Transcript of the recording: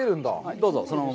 どうぞ、そのまま。